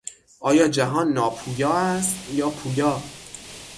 آیا جهان ناپویا است یا پویا؟